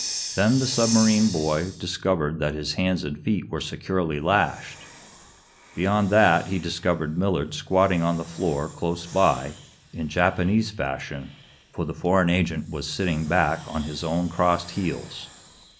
Then the submarine boy discovered that his hands and feet were securely lashed. Beyond that, he discovered Millard squatting on the floor, close by, in Japanese fashion, for the foreign agent was sitting back on his own crossed heels.